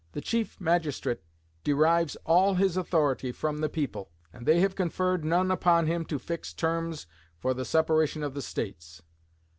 The Chief Magistrate derives all his authority from the people, and they have conferred none upon him to fix terms for the separation of the States.